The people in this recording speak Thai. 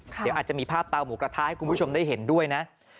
เดี๋ยวอาจจะมีภาพเตาหมูกระทะให้คุณผู้ชมได้เห็นด้วยนะ